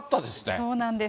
そうなんです。